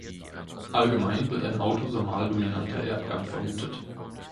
Allgemein wird ein autosomal-dominanter Erbgang vermutet.